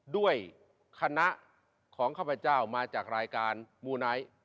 ด้วยคณะของข้าพเจ้ามาจากรายการมูไนท์